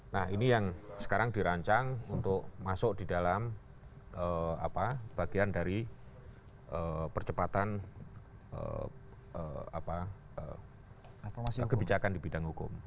nah ini yang sekarang dirancang untuk masuk di dalam bagian dari percepatan kebijakan di bidang hukum